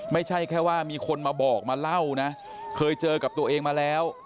ไม่ใช่แค่ว่ามีคนมาบอกมาเล่านะเคยเจอกับตัวเองมาแล้ว